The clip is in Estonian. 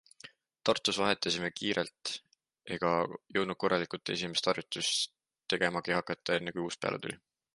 Tartus vahetasime kiirelt ega jõudnud korralikult esimest harjutust tegemagi hakata, enne kui uus peale tuli.